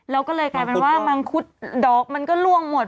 แล้วก็เลยกลายเป็นว่ามังคุดดอกมันก็ล่วงหมด